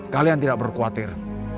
kalian tidak perlu khawatir